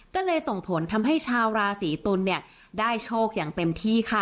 ก็เลยส่งผลทำให้ชาวราศีตุลเนี่ยได้โชคอย่างเต็มที่ค่ะ